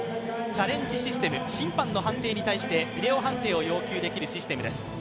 チャレンジシステム、審判の判定に対してビデオ判定を要求できるシステムです。